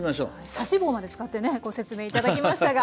指し棒まで使ってねご説明いただきましたが。